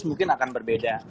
mungkin akan berbeda